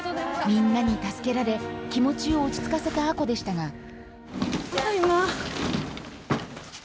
みんなに助けられ気持ちを落ち着かせた亜子でしたがただいま。